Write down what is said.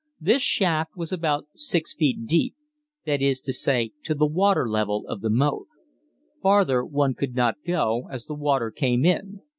This shaft was about 6 feet deep that is to say, to the water level of the moat. Farther one could not go, as the water came in.